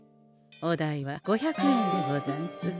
お代は５００円でござんす。